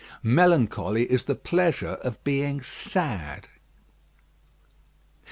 Melancholy is the pleasure of being sad.